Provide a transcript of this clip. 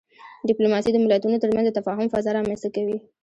ډيپلوماسي د ملتونو ترمنځ د تفاهم فضا رامنځته کوي.